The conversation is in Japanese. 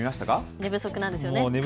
寝不足なんですよね。